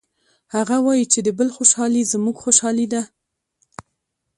هغه وایي چې د بل خوشحالي زموږ خوشحالي ده